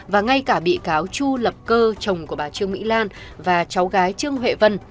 và ngay cả bị cáo chu lập cơ chồng của bà trương mỹ lan và cháu gái trương huệ vân